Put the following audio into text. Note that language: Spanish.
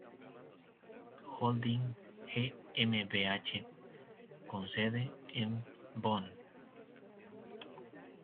Holding GmbH", con sede en Bonn.